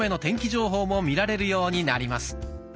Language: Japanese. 情報も見られるようになります。